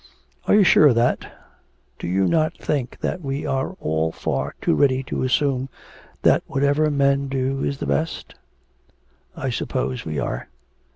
'Are you sure of that? Do you not think that we are all far too ready to assume that whatever men do is the best?' 'I suppose we are.'